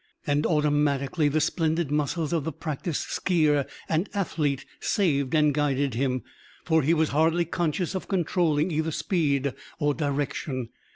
And automatically the splendid muscles of the practised ski er and athlete saved and guided him, for he was hardly conscious of controlling either speed or direction.